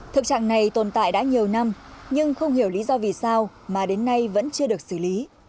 thực trạng này tồn tại đã nhiều năm nhưng không hiểu lý do vì sao mà đến nay vẫn chưa được xử lý